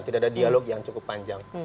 tidak ada dialog yang cukup panjang